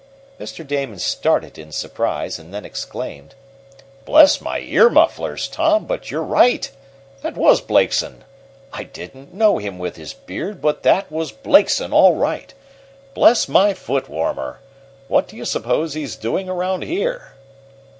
Mr. Damon started in surprise, and then exclaimed: "Bless my ear mufflers, Tom, but you're right! That was Blakeson! I didn't know him with his beard, but that was Blakeson, all right! Bless my foot warmer! What do you suppose he is doing around here?"